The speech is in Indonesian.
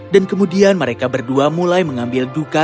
dan kemudian mereka berdua mulai mengambil alihnya